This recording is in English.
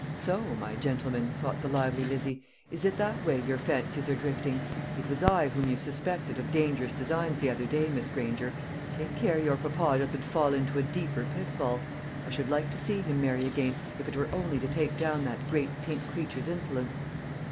"So, my gentleman," thought the lively Lizzie, "is it that way your fancies are drifting? It was I whom you suspected of dangerous designs the other day, Miss Granger. Take care your papa doesn't fall into a deeper pitfall. I should like to see him marry again, if it were only to take down that great pink creature's insolence."